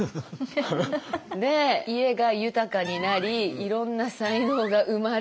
で家が豊かになりいろんな才能が生まれ。